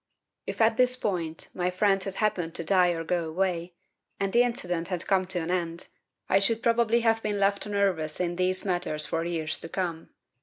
"If at this point my friend had happened to die or go away, and the incident had come to an end, I should probably have been left nervous in these matters for years to come.